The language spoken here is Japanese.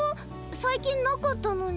最近なかったのに。